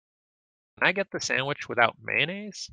Can I get the sandwich without mayonnaise?